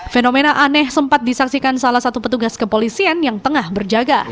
fenomena aneh sempat disaksikan salah satu petugas kepolisian yang tengah berjaga